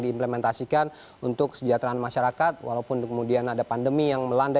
diimplementasikan untuk kesejahteraan masyarakat walaupun kemudian ada pandemi yang melanda